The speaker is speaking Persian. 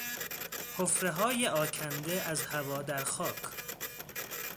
حفرههای آکنده از هوا در خاک